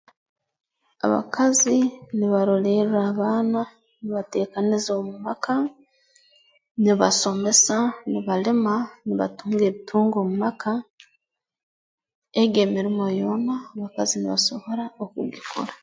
Abakazi nibarolerra abaana nibateekaniza obubaka nibasomesa nibalima nibatunga ebitungwa omu maka egyo emirimo yoona abakazi nibasobora okugikora